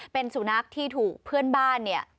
เป็นสุนัขที่ถูกเพื่อนบ้านเนี่ย